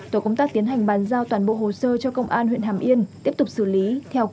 tổ công tác tiến hành bàn giao toàn bộ hồ sơ cho công an huyện hàm yên tiếp tục xử lý theo quy định của pháp luật